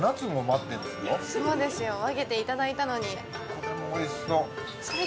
これもおいしそう。